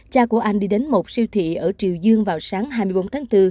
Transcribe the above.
cha của anh đi đến một siêu thị ở triều dương vào sáng hai mươi bốn tháng bốn